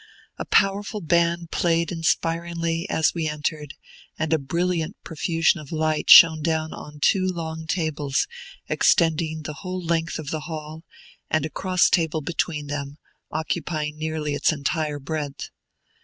A powerful band played inspiringly as we entered, and a brilliant profusion of light shone down on two long tables, extending the whole length of the hall, and a cross table between them, occupying nearly its entire breadth.